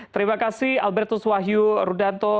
terima kasih albertus wahyu rudanto